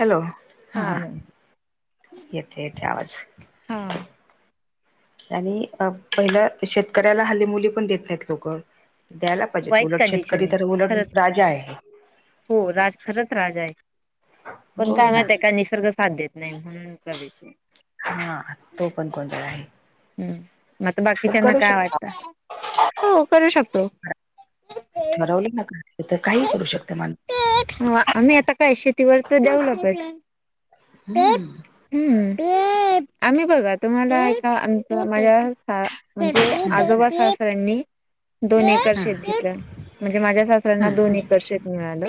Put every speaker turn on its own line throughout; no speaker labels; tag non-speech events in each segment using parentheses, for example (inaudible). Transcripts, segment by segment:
Hello हा, येते येते आवाज.
हा
आणि अ पहिलं शेतकऱ्याला हल्ली मुली पण देत नाहीत लोकं. द्यायला पाहिजेत
वाईट
उलट.
कंडिशन
शेतकरी
आहे
तर उलट
खरंच
राजा आहे.
हो राज खरंच राजा आहे. पण
हो
काय
ना
माहीत का निसर्ग साथ देत नाही. म्हणूनचा विषय
हा, तो पण गोधळ आहे.
हम्म, नातं
पण
बाकीच्याना
करू
काय
शकता
वाटत? हो करू शकतो.
ठरवले मग त काही करू शकते मानु
आम्ही आता काय शेतीवर तर डेव्हलप
हम्म,
ह आम्ही बघा तुम्हाला एका आमचं माझ्या म्हणजे
हम्म
आजोबा सासऱ्यानी दोन एकर शेत घेतलं. म्हणजे माझ्या सासऱ्यांना दोन एकर शेत मिळालं.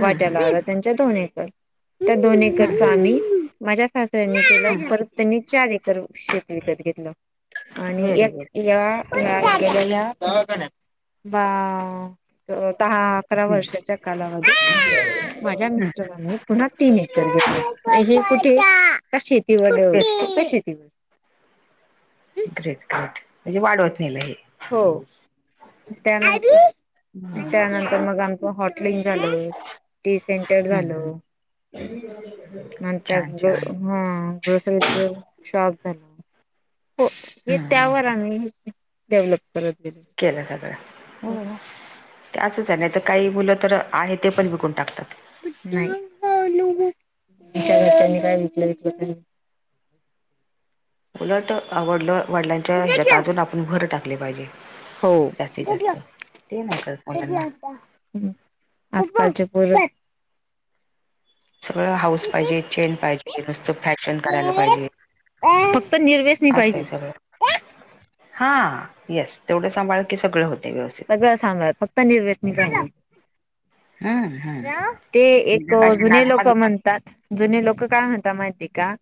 हम्म
वाट्याला आलं त्यांच्या दोन एकर. त्या दोन एकरच
हम्म
आम्ही माझ्या सासऱ्यांनी
हम्म
केलं पर त्यांनी चार एकर शेत विकत घेतलं. आणि
व्हेरी
एक
गुड
या कुणा गेलेल्या दवाखान्यात बा दहा अकरा वर्षाच्या कालावधी माझ्या मि
हम्म
प्रमाणे पुन्हा तीन एकर घेतलं. हे कुठे शेती वर
व्हेरी
फक्त शेती
ग्रेट ग्रेट म्हणजे वाढवत नेलं हे.
हो त्यान त्यानं तर मग आमचं हॉटलिंग झालं. टी सेन
हा हा, (unintelligible)
नंतर ग हा ग्रोसरीच शॉप झालं. हो हे
हम्म
त्यावर आम्ही डेव्हलप करत (unintelligible)
केलं सगळं ते असंच आहे. नाही त काही बोलं तर, आहे ते पण विकून टाकतात.
नाही तुमच्या घरच्यांनी काय विकलं विकलं करे.
उलट आवडलं वडिलांच्या ह्याच्यात
नाही.
अजून आपण भर टाकले पाहिजे.
हो.
जास्तीत जास्त, ते नाही कळत मुलांना.
हहं आजकालचे पोर
सगळं हाऊस पाहिजे. चेन पाहिजे. नुसतं फॅशन करायला पाहिजे.
फक्त निर्वेसनी
असं आहे
पाहिजे.
सगळं हा येस, तेवढं सांभाळ की सगळं होते व्यवस्थित.
ग सांभाळल फक्त निर्वेसनी (unintelligible)
हम्म हम्म
(unintelligible) ते एक
विनाकाशी नाद
जुने लोक
लागली
म्हण तात. जुने लोक काय म्हणता माहिती का?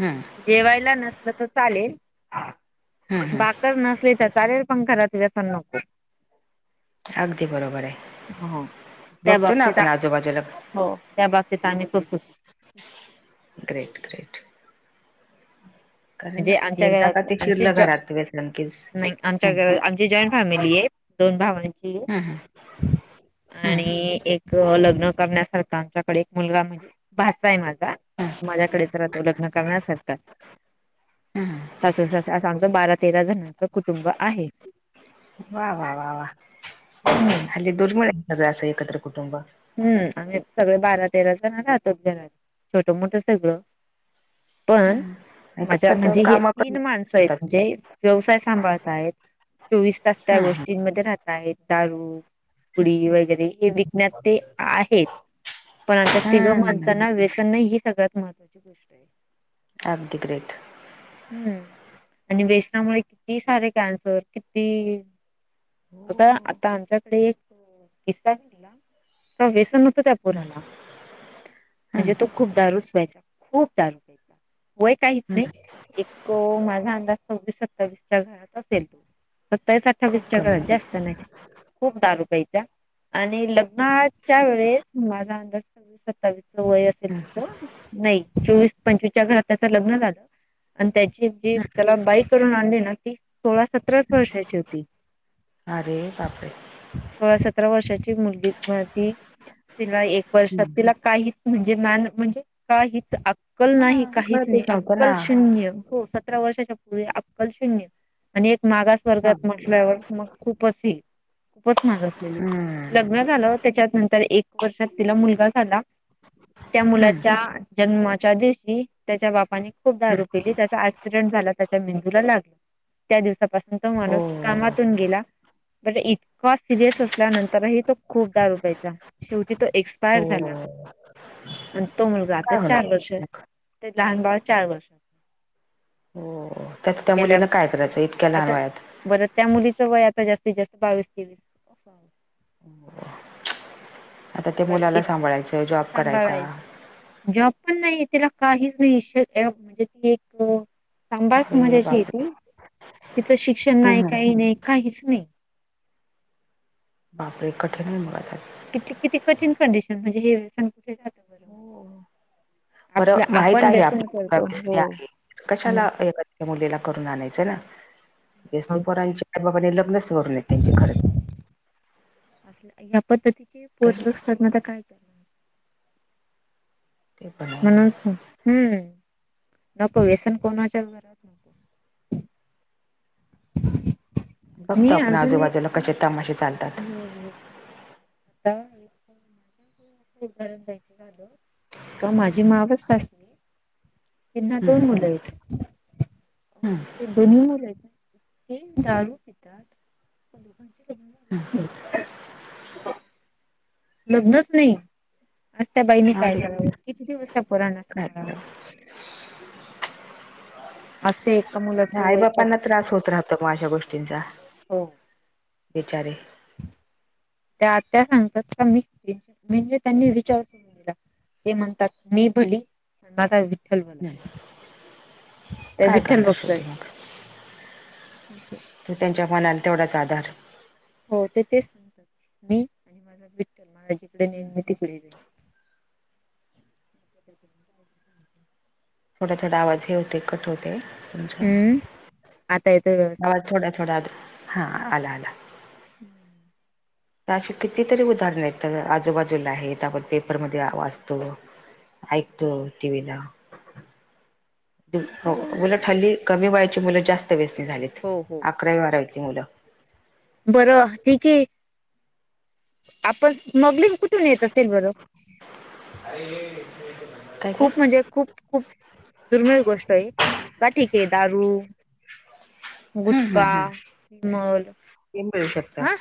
हम,
जेवायला नसलं त चालेल.
हम्म हम्म
बाकर नसले त चालेल. पण घरात व (unintelligible) नको.
अगदी बरोबर आहे.
हो त्या
बघतो ना
बाबतीत
आपण आजूबाजूला
हो त्या बाबतीत आम्ही करतो की,
ग्रेट ग्रेट कारण
म्हणजे आमच्या
एकदा का
घरात
ते
आमचे
शिरलं घरात व्यसन कीच
आमच्या
हम्म
घरात आमची जॉईंट फॅमिली आहे. दोन भावांची
हम्म हम्म हम्म
आणि एक- लग्न करण्यासारखा आमच्याकडे एक मुलगा म्हणजे भाात आहे माझा.
हम्म
माझ्याकडे तर रा तो लग्न करण्यासारखं-
हम्म
सासु सासरे असं आमचं बारा तेरा जणांचं कुटुंब आहे.
वा वा वा वा
हम्म
हल्ली दुर्मिळ आहे सगळं असं एकत्रकुटुंब.
हम् आणि् सगळे बारा तेरा जण राहतच जण छोट मोठ सगळं. पण माझ्या
कसं तर
म्हणजे हे
काम पण
तीन माणसं
करतात
आहेतण जे व्यवसाय सांभाळत आहेत. चोवीस तास त्या
हम्म
गोष्टींमध्ये राहत आहेत दारू पुडी वगैरे हे विकण्यात, ते आहेत. पण आमच्या तिघं
हम्म
माणसांना व्यसन नाही ही सगळ्यात महत्त्वाची गोष्ट आहे.
अगदी ग्रेट.
हम्म आणि वेसनामुळे किती सारे कॅन्सर किती.
हो
आता आमच्याकडे एक किस्सा गला त व्यसन होत त्या (inaudible)
हम्म
मुलाला
हम्म
म्हणजे तो खूप दारूच प्यायचा खूप दारू प्यायचा. वय काहीच नाही.
हम्म
एक माझा अंदाज सव्वीस सत्तावीसच्या घरात असेल तो सत्तावीस असेल. अठ्ठावीस
खूप
च्या
कमी
घरात
हम्म
जास्त नाही, खूप दारू प्यायचा. आणि लग्नाच्या वेळेस माझा अंदाज सव्वीस सत्तावीसच वय असेल
हम्म
त्याच नाही चोवीस पंचवीसच्या घरात त्याचं लग्न झालं. आणि त्याची जी
हम्म
त्याला बाय करून आणली ना ती सोळा सतराच वर्षाची होती.
अरे बापरे!
सोळा सतरा वर्षाची मुलगी तिला एक वर्षात
हम्म
तिला काही- म्हणजे म्हणजे का अक्कल
हा
नाही काही नाही
कळतच
अ-
नव्हतं ना
सतरा वर्षाच्या अक्कल शून आणि मा
हा
स्वर्गात म्हटल्यावर मग खूप, खूपच महाग असलेली
हम्म
लग्न झालं त्याच्यात नंतर एक वर्षात तिला मुलगा झाला. त्या
हम्म
मुलाच्या जन्माच्या दिवशी त्याच्या बापानी खूप दारू पली त्याचा ऍक्सिडेंट झाला त्याच्या मेंदूला लागला. त्या दिवसापासून तो
हो
माणूस कामातून गेला. बरे इतका सिरियस असल्यानंतरही तो खूप दारुपायचा. शेवटी तो
हो
एक्सपायर झाला आणि तो मुलगा आता
काय
चार
होणार
वर्षांचा.
मग?
ते लहान बाळ चार वर्षाच.
हो त्यात त्या मुलीना काय करायचं इतक्या लहान
आता
वयात
बरं त्या मुलीचं वय आता जास्तीत जास्त बावीस- तेवीस. होा (inaudible)
आता ते
बर
मुलाला
इत
सांभाळायचं जॉब करायचा.
सांभाळायचं जॉब पण नाही त्याला काहीच नाही म्हणजे ती एक सांभळ स
अरे
मजाची
बापरे
येते तिथं शिक्षण नाही
हम्म
काही नाही काहीच नाही
बापरे कठीण आहे मग आता
किती किती कठीण कंडिशन, म्हणजे हेन कुठे जात बरोब
हो. बरं माहित आहे, आपला मुलगा
करतो हो
व्यसनी आहे.
मग
कशाला हे करा त्या मुलीला करून आणायचं ना. व्यसनी पोरांच्या आई बाबांनी, लग्नच करू नये त्यांची खरं.
ह्या पद्धतीची पोरं असतात, मग काय? करणार
ते पहा.
म्हणून सांगते, हम्म नको व्यसन कोणाच्याच घरात न
बघतो
आणि
आपण
अजून
आजूबाजूला
एक
कसे तमाशे चालतात.
हो हो. (unintelligible) उदाहरण द्यायचं झालं, का माझी मावस सासूये त्यांना दोन मुलं आहेत.
हा.
दोन्ही मुलं ते दारू पितात? दोघांची लग्न झालेली नाहीत. (unintelligible) लग्नचं नाही? आता त्या बाईनी
हम्म
काय
अरे
करावे? किती दिवस त्या पोरांना
काय
सांभाळावं. आज ते एका
त्या
मुलाचं वय
आईबापांना
पस्तीस
त्रास होत राहतो, मग अशा गोष्टींचा.
हो.
बिचारे.
त्या आत्या सांगतात का, मी म्हणजे त्यांनी विचारणं सोडून दिलं. ते म्हणतात, मी भली माझा विठ्ठल भला.
हम्.
त्या
काय
विठ्ठल
करणार?
बघतोय
शेवटी मग. तर त्यांच्या मनाला तेवढाच आधार.
हो ते तेच सांगतात, मी आणि माझा विठ्ठल मला जिकडे नेईन मी तिकडे जाईन. (unintelligible)
थोडा थोडा आवाज हे होतोय, कट होतोय. तुमचा
हम्म आता येतोय व्यवस्थित.
आवाज थोडा थोडा, हा आला आला.
हम्म (inaudible)
तर अशी कितीतरी उदाहरणं आहेत, आजूबाजूला आहेत, आपण पेपरमध्ये आ वाचतो. ऐकतो टि. व्ही. ला. हो, उलट हल्ली कमी वयाची मुलं जास्त व्यसनी झालेत.
हो हो.
अकरावी, बारावीतली मुलं
बरं ठीक आहे, आपण स्मगलिंग कुठून येत असेल बरं?
(unintelligible)
खूप म्हणजे खूप खूप दुर्मिळ गोष्ट आहे. बरं ठीक आहे, दारू
हम्म हम्म
गुटखा,
हम्म
(unintelligible)
(unintelligible) मिळू शकता.
हा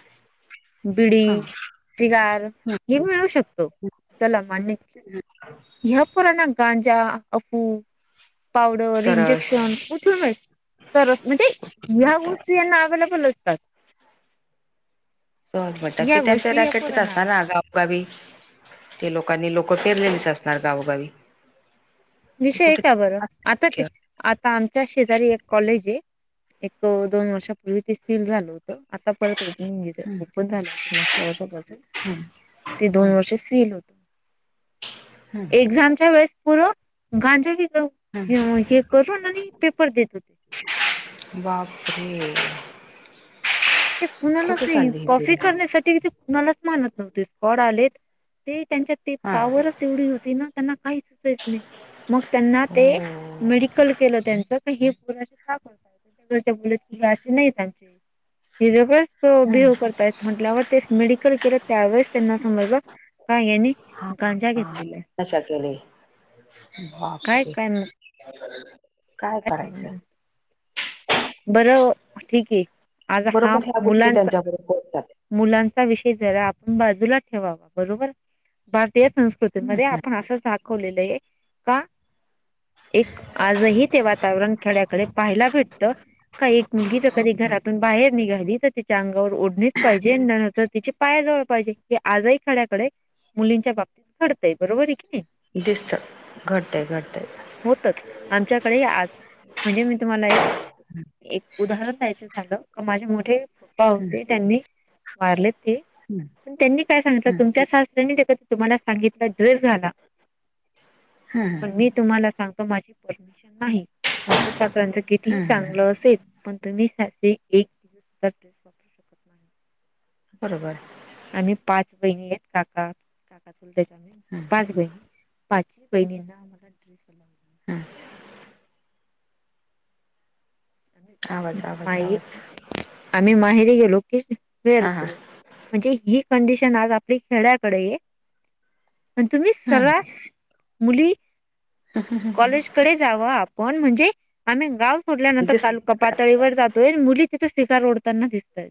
बिडी सिगार हे मिळू शकतो. चला मान्य ह्या पोरांना, गांजा, अफू पावडर,
चरस
इंजेक्शन कुठून तरच म्हणजे ह्या
मिळतं.
गोष्टी यांना अव्हेलेबल असतात.
म्हणून म्हणतात. ते
या
त्यांच्या
गोष्टी या
रॅकेटच
पोरांना
असणार ना आगाऊ गावी, ते लोकांनी लोकं पेरलेलीच असणार गावोगावी.
विषय हे
कुठे
का बरं? आता ते
हम्म
आता आमच्या शेजारी एक कॉलेज हे एक-दोन वर्षापूर्वी ते सील झालं होतं. आता परत ओपन हुन गेल, ओपन झालं मागच्या वर्षापासून.
हम्म
ते दोन
हम्म
वर्ष सील होतं.
हम्म
एक्सामच्या वेळेस पोरं गांजा विकत हे
हम्म
मग हे करून आणि पेपर देतेत.
बापरे!
ते कुणालाच
कुठे
नाही,
चालली ही
कॉफी
पोरी?
करण्यासाठी ते कुणालाच मानत नव्हते. स्कॉड आलेत ते त्यांच्यात ते
हा
पाॉवरच तेवढी होती ना, त्यांना काही पेस नय. मग त्यांना ते
हो.
मेडिकल केलं त्यांच हे केल्यानं काय होतं? (unintelligible) अशे नाहीयेत त्यांचे. इथं पण तो
हं,
बिऊ करत्यात. म्हंटल्यावर तेच मेडिकल केलं त्यांवेळेस त्यांना समजलं, का ह्यांनी
हां हा, नशा केले.
काय
बापरे!
काय मग
काय करायचं?
बरं ठीक हे आता हा
बरोबर ह्या गोष्टी
मुलांचा
त्यांच्या बरोबर घडतात
मुलांचा विषय जरा आपण बाजूला ठेवावं, बरोबर भारतीय संस्कृ ती मध्ये आपण असं दाखवलेलं हे, का? एक आजही ते वातावरण खेड्याकडे पाहायला भेटतं, का एक मुलगी जर कधी घरातून बाहेर निघाली तर तिच्या अंगावर ओढणीच पाहिजे, अन नजर तर तिची पाया जवळ पाहिजे. ते आजही खड्याकडे मुलींच्या बाबतीत घडतंय, बरोबर आहे की नही?
दिसतं, घडतंय घडतंय.
होतच, आमच्याकडे ही आज म्हणजे मी तुम्हाला एक- एक उदाहरण द्यायच झालं, तर माझे मोठे पप्पा होते त्यांनी वारलेत ते
हम्म
पण त्यांनी काय सांगितलं,
हम्म
तुमच्या सासऱ्यांनी तुम्हाला सांगितल ड्रेस घाला. (inaudible) पण मी तुम्हाला सांगतो माझी परमिशन नाही. तुमचं सासऱ्याचं कितीही
हम्म
चांगलं असेल, पण तुम्ही साधी एक (unintelligible)
बरोबर.
आम्ही पाच बहिणी आहेत काका- काका चुलत्याच्या
ह्म.
पाच बहिणी, पाच बहिणींना आम्हाला (unintelligible)
हं. आवाज आवाज आवाज
(unintelligible) आम्ही माहेरी गेलो की वेअर
हा हा
कर म्हणजे ही कंडिशन आज आपली खेड्याकडे ये अन तुम्ही
हम्म
सरास मुली कॉलेज कडे जावा आपण म्हणजे आम्ही गाव सोडल्यानंतर
दिसत
ऐका पातळेवर जातोय अन मुली तिथं सिगार ओडतांना दिसतंय.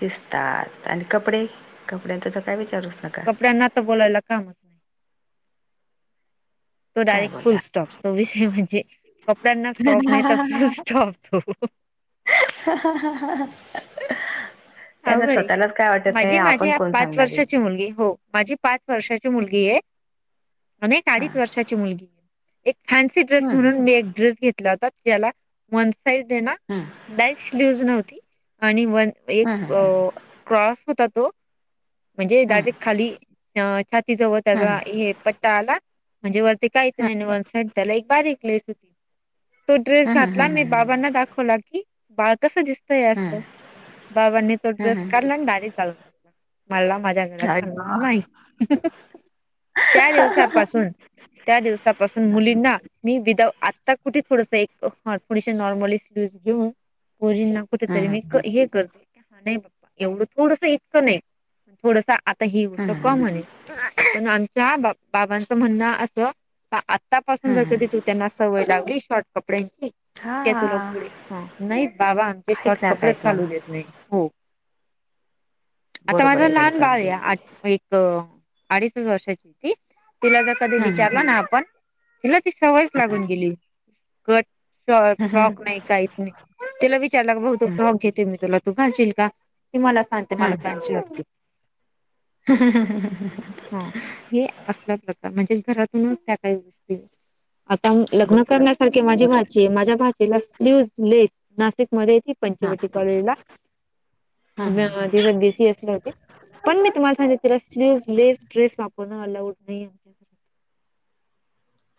दिसतात आणि कपडे कपड्यांच तर काय विचारूच नका.
कपड्यांना ना तर बोलायला कम
(inaudible)
तो
काय
डायरेक्ट फुल
बोलला
स्टॉप, तो विषय म्हणजे कपड्यांना स्टॉप नाही तर फुल स्टॉप.
(unintelligible)
अवघंड आहे
स्वतःलाच काय वाटत नाही
माझे
आपण
माझे
कोण
पांच
सांगणार आहे
वर्षाचे मुलंगी हो माझी पांच वर्षाची मुलंगी आहे आणि एक
हा
अडीच वर्षाची मुलंगी आहे एक फॅन्सी ड्रेस
हम्म
म्हणूंन मी एक ड्रेस घेतलां होतां ज्यांला वंन साईड हे नां
हम्मं
ब्लॅक स्लिव नव्हती आणि वंन एक
हम्म हम्म हम्म
क्रॉस होतां तो म्हणजे
हम्म
डायरेक्ट खांली छातीचा
हम्म
वरती हे पट्टां आंला म्हणजे ते कांहींच नाहीं वंनड त्यांला एक बारीक लेसं होती तो ड्रेस
हा हा हा
घांतला मी
हा
बाबांना दाखवला की बाळं कसं दिस
हा
असं बाबांनी तो
हा हा
ड्रेस काढलां आणि डायरेक्ट जाळूंन टाकलां मलां माझ्यां घरांत
हा
चालणारं नाहीं त्यां दिवसांपासून त्यां दिवसांपासून मुलींना मी विदांउ आंता कुठे थोडसं एक थोडीस नॉर्मल स्लिव घेऊंन पोरी नां
हा
कुठेतरी मी हे करते हां नाहीं एवढं थोडंसं इतकं नाहीं प थोडंसं आंता ही
हा
गोष्टं की
हा
म्हणेल पणं आमच्या बाबांचं म्हणणं असं आंतापासून जरं कधीं
हा
तूं त्यांना सवंय लावलीस शॉर्ट कपड्यांची केतू लॉक पुढे हां नाहीं बाबां आमचे शॉर्ट
ऐकणार
कपडेच
नाहीत मग
घालूं देतं नाहीं हो आंता
बरोबर
माझं
आहे
लहांन
त्यांचं
बाळं
अगदी
आहे आं एक अडीचंच वर्षाची होती तिलां जरं कधीं
हा हा
विचारलं नां आपणं तीलां ती सवयंच लागूंन गेली कंट फॉ
हा
फ्रॉक नाहीं कांहींच नाहीं तिलां विचांरला बघं तो
हा
फ्रॉक घेते मी तुलां घांलशील कां ती मलां सांगते
हा
मलां पँट शर्ट घे हां हे असल्यां प्रकारे म्हणजे घरातूंनचं त्यां कांहीं गोष्टी आंता लग्नं करण्यांसारखे माझी भाची आहे माझ्यां भाचीलां स्लीवलेस नाशिकमध्यें ती पंचवटी कॉलेज लां
हा
ति आंधी बीसीएसलां होती पणं मी तुम्हांला सांगित तिलां स्लीवलेस ड्रेस वापरणं अलांऊड नाहीं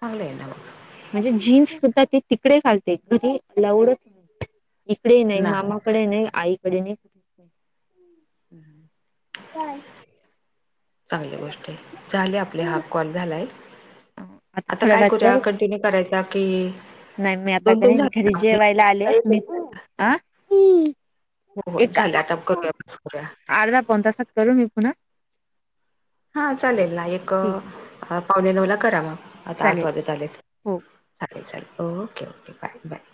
चांगलं आहे नं मं
म्हणजे जीन्स सुद्धां तिकडे घालते घरी अंल्लावुंड नाहीं ईकडे नाहीं
ना
मामांकडे नाहीं आईकडे नाहीं
हम्मं
कायं
चांगली गोष्टं आहे झाले आपले हांफ कॉल झालांय
आता
आंता
थोड्या
कायं
वेळात
करूंया कंटिन्यू करांयचा कि
नाहीं मी आंता की घरी जेवांयला आले
एक
मी
एक झाला?
हां
हो हो झाल्यां आंता उद्याचं करूंयाचं करूनया
अर्धा पाऊण तासांत करूं मी पुन्हां
हां चालेल नां एक
ठीक आहे
पावणे नऊ लां करां मंग आंता आंठ
चालेल
वाजतं आलेत
हो.
अच्छा ओके ओके बांय बांय